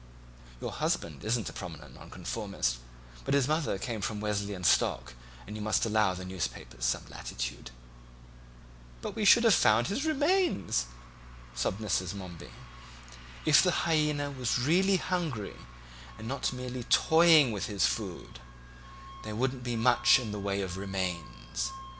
Your husband isn't a prominent Nonconformist, but his mother came of Wesleyan stock, and you must allow the newspapers some latitude." "But we should have found his remains," sobbed Mrs. Momeby. "If the hyaena was really hungry and not merely toying with his food there wouldn't be much in the way of remains.